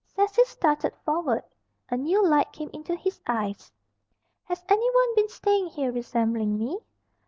Cecil started forward. A new light came into his eyes. "Has anyone been staying here resembling me?"